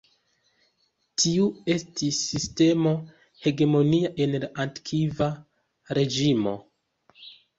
Tiu estis sistemo hegemonia en la Antikva Reĝimo.